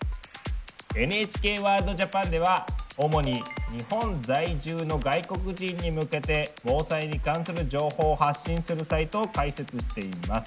「ＮＨＫＷＯＲＬＤＪＡＰＡＮ」では主に日本在住の外国人に向けて防災に関する情報を発信するサイトを開設しています。